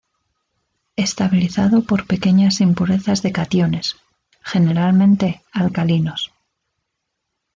Estabilizado por pequeñas impurezas de cationes, generalmente alcalinos.